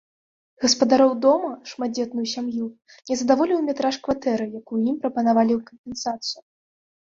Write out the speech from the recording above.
Гаспадароў дома, шматдзетную сям'ю, не задаволіў метраж кватэры, якую ім прапанавалі ў кампенсацыю.